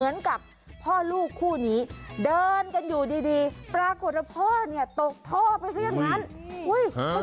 เหมือนกับพ่อลูกคู่นี้เดินกันอยู่ดีปรากฏว่าพ่อตกโทรไปซะอย่างนั้น